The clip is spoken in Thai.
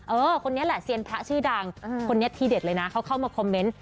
คนนี้แหละเซียนพระชื่อดังคนนี้ทีเด็ดเลยนะเขาเข้ามาคอมเมนต์